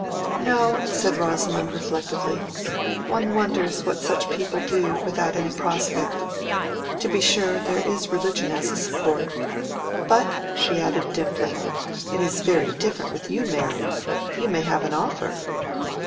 "No," said Rosamond, reflectively; "one wonders what such people do, without any prospect. To be sure, there is religion as a support. But," she added, dimpling, "it is very different with you, Mary. You may have an offer."